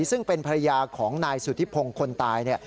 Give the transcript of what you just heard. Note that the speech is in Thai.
ซึ่งเป็นภรรยาของนายสุธิพงศ์คนตาย